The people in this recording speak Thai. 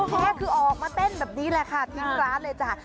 แท้คือออกมาเต้นแบบนี้แหละค่ะทิ้งร้านเลยจ้ะ